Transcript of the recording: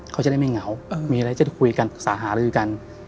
เขาจะได้ไม่เหงามีอะไรจะคุยกันปรึกษาหารือกัน